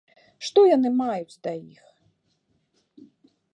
Што яны маюць да іх?